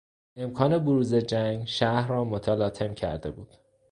امکان بروز جنگ شهر را متلاطم کرده بود.